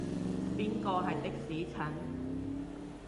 邊個係的士陳？